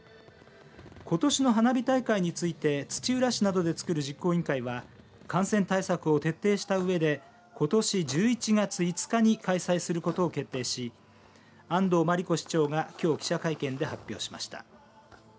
ことしの花火大会について土浦市などで作る実行委員会は感染対策を徹底したうえでことし１１月５日に開催することを決定し安藤真理子市長がきょう記者会見で発表しました。